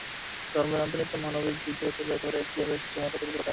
ধর্মের অন্তর্নিহিত মানবিক দিকগুলোকে তুলে ধরে কীভাবে সচেতনতা তৈরি করা যায়।